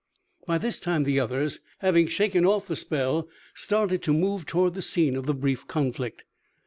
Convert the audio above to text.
By this time the others, having shaken off the spell, started to move toward the scene of the brief conflict.